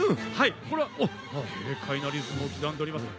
これは軽快なリズムを刻んでおります。